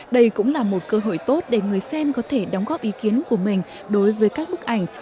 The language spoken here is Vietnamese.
đây cũng là một cơ hội tốt để người xem có thể đóng góp ý kiến của mình đối với các bức ảnh